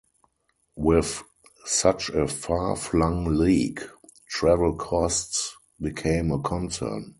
With such a far-flung league, travel costs became a concern.